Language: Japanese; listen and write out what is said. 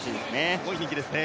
すごい人気ですね。